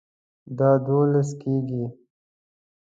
دا دوولس کیږي